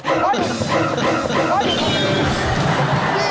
นี่ครับผมเสีย